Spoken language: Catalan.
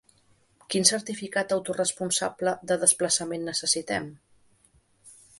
Quin certificat autoresponsable de desplaçament necessitem?